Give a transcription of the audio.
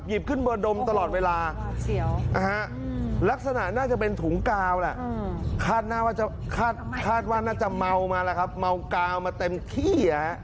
คิดว่าน่าจะเมามาแล้วครับเมากลามาเต็มที่